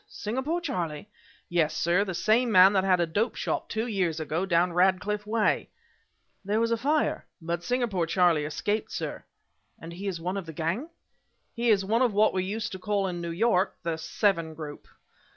Singapore Charlie!" "Yes, sir, the same man that had a dope shop, two years ago, down Ratcliffe way " "There was a fire " "But Singapore Charlie escaped, sir." "And he is one of the gang?" "He is one of what we used to call in New York, the Seven Group."